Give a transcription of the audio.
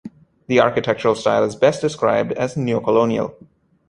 The architectural style is best described as Neo-colonial.